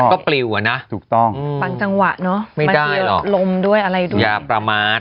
ก็ปลิวอ่ะนะถูกต้องฟังจังหวะเนอะไม่ได้หรอกลมด้วยอะไรด้วยอย่าประมาท